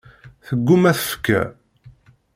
Tegguma tfekka.